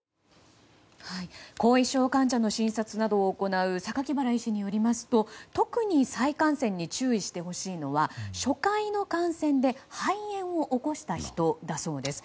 後遺症患者の診察などを行う榊原医師によりますと特に再感染に注意してほしいのは初回の感染で肺炎を起こした人だそうです。